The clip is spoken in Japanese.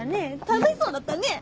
楽しそうだったね。